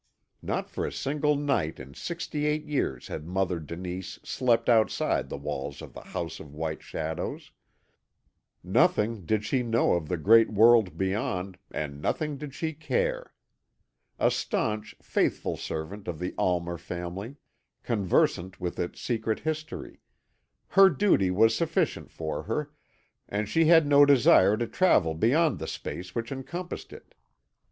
Not for a single night in sixty eight years had Mother Denise slept outside the walls of the House of White Shadows; nothing did she know of the great world beyond, and nothing did she care; a staunch, faithful servant of the Almer family, conversant with its secret history, her duty was sufficient for her, and she had no desire to travel beyond the space which encompassed it.